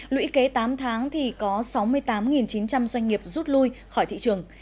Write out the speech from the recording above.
lũy kế tám tháng thì có sáu mươi tám chín trăm linh doanh nghiệp rút lui khỏi thị trường